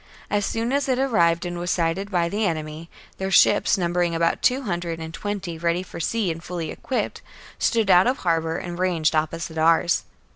As soon as it arrived and was sighted by the enemy, their ships, numbering about two hundred and twenty, ready for sea and fully equipped, stood out of harbour and ranged opposite ours.